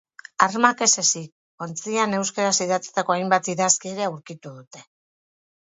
Armak ez ezik, ontzian euskaraz idatzitako hainbat idazki ere aurkitu dute.